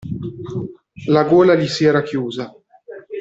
La gola gli si era chiusa.